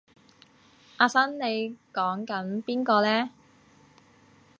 阿生你講緊邊個呢？